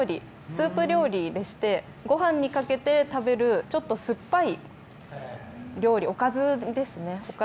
スープ料理でしてごはんにかけて食べるちょっと酸っぱい料理おかずですね。